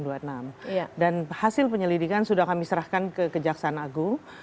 dan hasil penyelidikan sudah kami serahkan ke jaksan agung